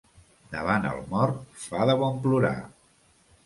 Davant el mort fa de bon plorar.